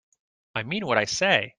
I mean what I say.